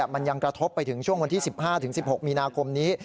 มันยังกระทบไปถึงช่วงวันที่๑๕๑๖มีนาคมนี้